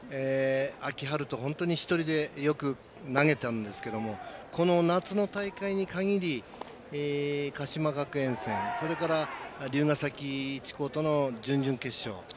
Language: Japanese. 秋、春と本当に１人でよく投げたんですけどもこの夏の大会にかぎり鹿島学園戦それから竜ヶ崎一高との準々決勝。